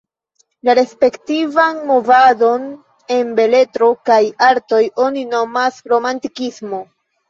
La respektivan movadon en beletro kaj artoj oni nomas romantikismo.